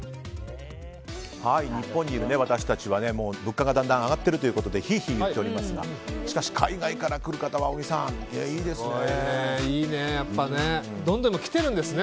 日本にいる私たちは物価がだんだん上がっているということでひいひい言っておりますがしかし、海外から来る方は小木さん、いいですね。